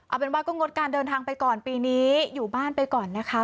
เอาเป็นว่าก็งดการเดินทางไปก่อนปีนี้อยู่บ้านไปก่อนนะคะ